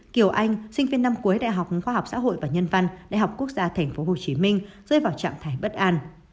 kiều anh sinh viên năm cuối đại học khoa học xã hội và nhân văn đại học quốc gia tp hcm rơi vào trạng thái bất an